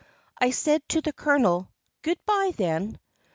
I said to the colonel, "Good bye, then!"